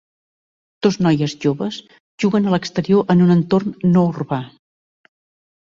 Dos noies joves juguen a l'exterior en un entorn no urbà.